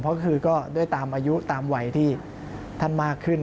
เพราะคือก็ด้วยตามอายุตามวัยที่ท่านมากขึ้น